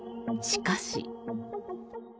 しかし。